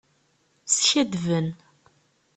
Skaddben.